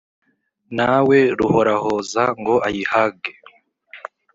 Na we Ruhorahoza ngo ayihage,